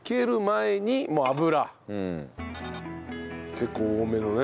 結構多めのね。